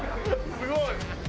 すごい。